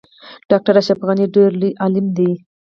ډاکټر اشرف غنی ډیر لوی عالم دی